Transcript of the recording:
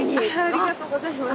ありがとうございます。